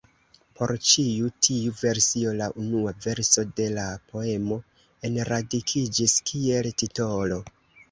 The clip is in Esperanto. Por ĉi tiu versio la unua verso de la poemo enradikiĝis kiel titolo.